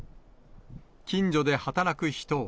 近所で働く人は。